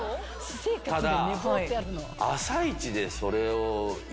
ただ。